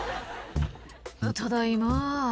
「ただいま」